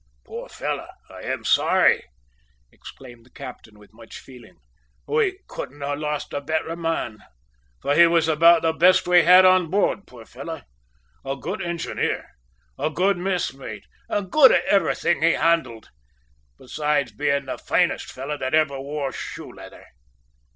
"Poor fellow, I am sorry," exclaimed the captain with much feeling. "We couldn't have lost a better man, for he was about the best we had on board, poor fellow a good engineer, a good mess mate, and good at everything he handled, besides being the finest fellow that ever wore shoe leather.